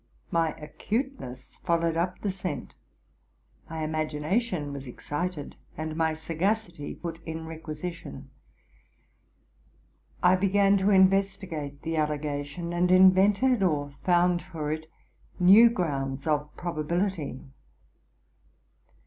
My acuteness followed up the scent, my ima gination was excited, and my sagacity put in requisition. I began to investigate the allegation, and invented or found for it new grounds of probability.